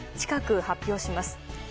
近く発表します。